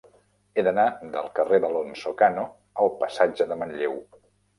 He d'anar del carrer d'Alonso Cano al passatge de Manlleu.